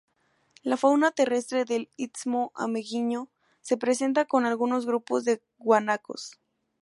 La fauna terrestre del Istmo Ameghino se presenta con algunos grupos de guanacos.